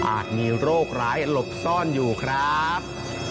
มีโรคร้ายหลบซ่อนอยู่ครับ